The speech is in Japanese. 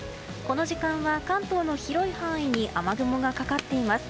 この時間は、関東の広い範囲に雨雲がかかっています。